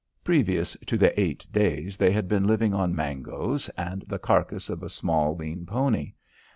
Previous to the eight days they had been living on mangoes and the carcase of a small lean pony.